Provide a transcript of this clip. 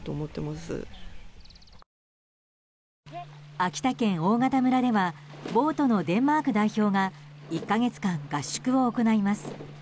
秋田県大潟村ではボートのデンマーク代表が１か月間、合宿を行います。